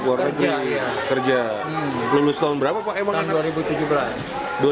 lima kota soekabun kepada guru kurunya sangat bantu kasih gratis ijazah karena anak saya hanya